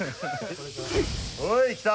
おいきた！